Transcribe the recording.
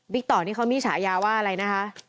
ต่อนี่เขามีฉายาว่าอะไรนะคะ